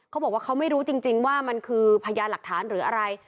เขาบอกว่าเขาไม่รู้จริงว่ามันคือพยานหลักฐานหรืออะไร